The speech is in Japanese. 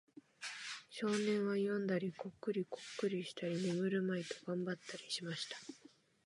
少年は読んだり、コックリコックリしたり、眠るまいと頑張ったりしました。